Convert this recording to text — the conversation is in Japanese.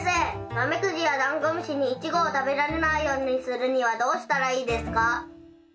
ナメクジやダンゴムシにイチゴを食べられないようにするにはどうしたらいいですか？